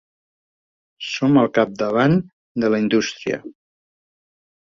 Som al capdavant de la indústria.